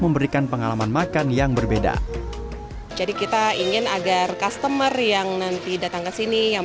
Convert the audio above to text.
memberikan pengalaman makan yang berbeda jadi kita ingin agar customer yang nanti datang ke sini yang